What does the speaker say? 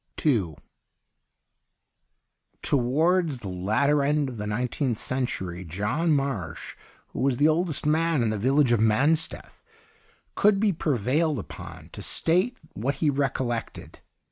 II Towards the latter end of the nine teenth century, John Marsh, who was the oldest man in the village of Mansteth, could be prevailed upon to state what he recollected.